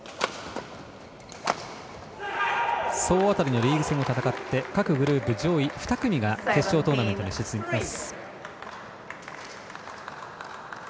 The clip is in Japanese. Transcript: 総当たりのリーグ戦を戦って各グループ上位２組が決勝トーナメントに進みます。